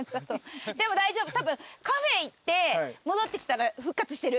でも大丈夫たぶんカフェ行って戻ってきたら復活してる。